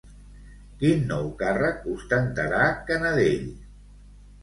Quin nou càrrec ostentarà Canadell?